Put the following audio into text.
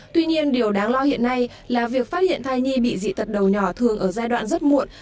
tuy nhiên điều đáng lo hiện nay là việc phát hiện thai nhi bị dị tật đầu nhỏ thường ở giai đoạn rất muộn